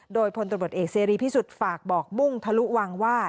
โดยพลตำรวจเอกเสรีพิสุทธิ์ฝากบอกมุ่งทะลุวังว่า